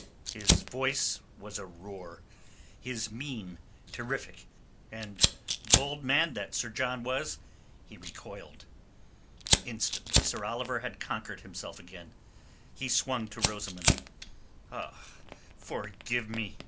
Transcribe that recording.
His voice was a roar, his mien terrific. And bold man though Sir John was, he recoiled. Instantly Sir Oliver had conquered himself again. He swung to Rosamund. "Ah, forgive me!"